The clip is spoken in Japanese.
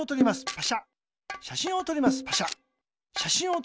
パシャ。